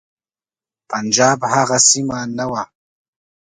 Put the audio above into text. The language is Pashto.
پنجاب هغه سیمه نه وه.